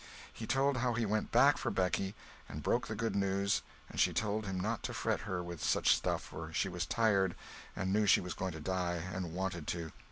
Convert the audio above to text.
He told how he went back for Becky and broke the good news and she told him not to fret her with such stuff, for she was tired, and knew she was going to die, and wanted to.